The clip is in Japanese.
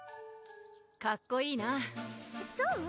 かっこいいなそう？